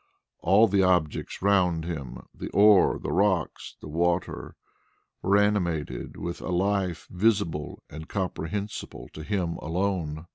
All the objects round him the ore, the rocks, the water were animated with a life visible and comprehensible to him alone.